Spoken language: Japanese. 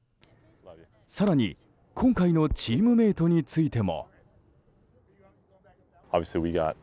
更に、今回のチームメートについても。